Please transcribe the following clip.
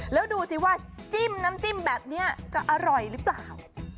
แล้วดูสิว่าจิ้มน้ำจิ้มแบบนี้จะอร่อยหรือเปล่า